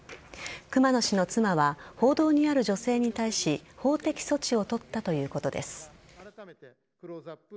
熊野氏の妻は報道にある女性に対し法的措置を取ったということです。